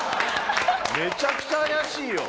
めちゃくちゃ怪しいよ。